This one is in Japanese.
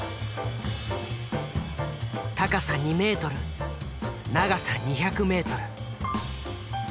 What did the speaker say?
高さ２ｍ長さ２００ｍ。